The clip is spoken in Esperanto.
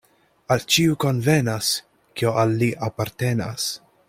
Al ĉiu konvenas, kio al li apartenas.